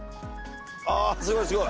あぁすごいすごい。